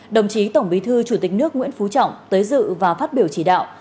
đồng chí tổng bí thư chủ tịch nước nguyễn phú trọng tới dự và phát biểu chỉ đạo